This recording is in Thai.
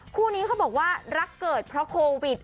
คู่นี้เขาบอกว่ารักเกิดเพราะโควิด